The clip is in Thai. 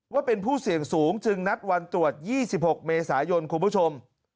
ว่าเป็นผู้เสี่ยงสูงจึงนัดวันตรวจ๒๖เมษายนคุณผู้ชม